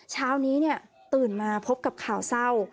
เช้านี้ตื่นมาพบกับข่าวเศร้า